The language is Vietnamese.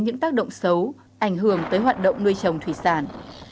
những tác động xấu ảnh hưởng tới hoạt động nuôi trồng thủy sản